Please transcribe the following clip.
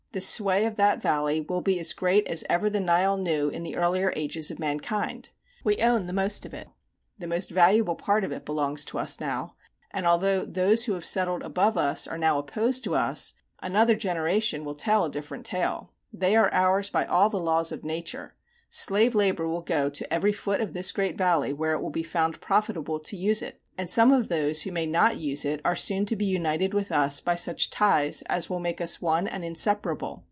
The sway of that valley will be as great as ever the Nile knew in the earlier ages of mankind. We own the most of it. The most valuable part of it belongs to us now; and although those who have settled above us are now opposed to us, another generation will tell a different tale. They are ours by all the laws of nature; slave labor will go to every foot of this great valley where it will be found profitable to use it, and some of those who may not use it are soon to be united with us by such ties as will make us one and inseparable.